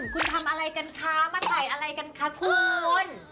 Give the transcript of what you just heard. คุณทำอะไรกันคะมาใส่อะไรกันคะคุณ